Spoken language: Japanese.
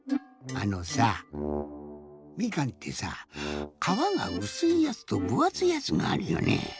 あのさみかんってさかわがうすいやつとぶあついやつがあるよね。